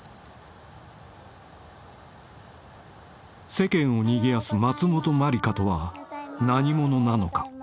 ［世間をにぎわす松本まりかとは何者なのか？］